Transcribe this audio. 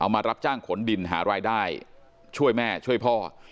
มารับจ้างขนดินหารายได้ช่วยแม่ช่วยพ่อ